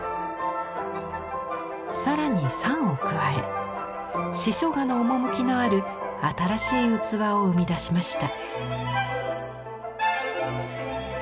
更に賛を加え「詩書画」のおもむきのある新しい器を生み出しました。